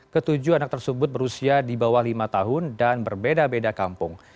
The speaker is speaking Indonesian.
ketujuh anak tersebut berusia di bawah lima tahun dan berbeda beda kampung